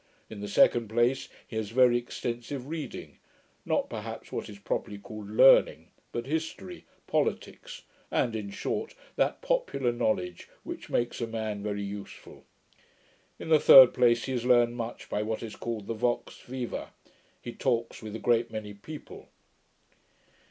In the second place, he has very extensive reading; not, perhaps, what is properly called learning, but history, politicks, and, in short, that popular knowledge which makes a man very useful. In the third place, he has learned much by what is called the vox viva. He talks with a great many people.'